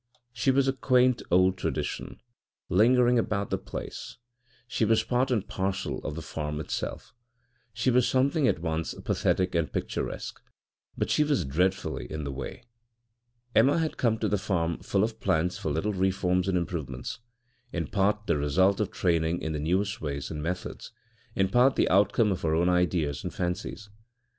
She was a quaint old tradition, lingering about the place, she was part and parcel of the farm itself, she was something at once pathetic and picturesque but she was dreadfully in the way. Emma had come to the farm full of plans for little reforms and improvements, in part the result of training in the newest ways and methods, in part the outcome of her own ideas and fancies.